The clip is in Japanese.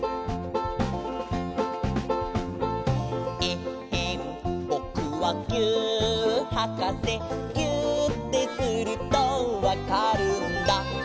「えっへんぼくはぎゅーっはかせ」「ぎゅーってするとわかるんだ」